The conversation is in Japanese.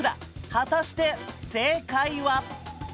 果たして正解は。